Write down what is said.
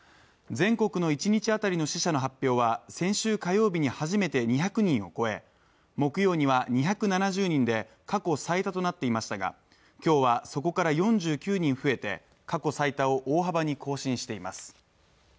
全国の一日当たりの死者の発表は先週火曜日に初めて２００人を超え木曜には２７０人で過去最多となっていましたが今日はそこから４９人増えて、過去最多を大幅に更新しています。